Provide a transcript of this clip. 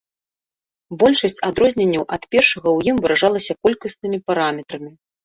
Большасць адрозненняў ад першага ў ім выражалася колькаснымі параметрамі.